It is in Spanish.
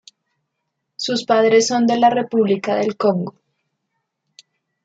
Sus padres son de la República del Congo.